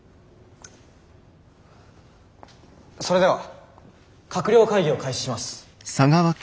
それでは閣僚会議を開始します。